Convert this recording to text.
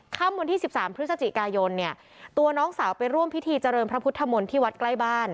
ค่ำวันที่๑๓พฤศจิกายนเนี่ยตัวน้องสาวไปร่วมพิธีเจริญพระพุทธมนตร์ที่วัดใกล้บ้าน